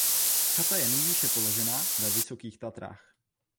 Chata je nejvýše položená ve Vysokých Tatrách.